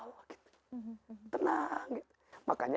ambil ya allah